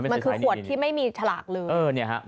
มันคือขวดที่ไม่มีฉลากเลย